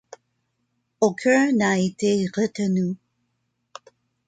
Aucun n'a été retenu.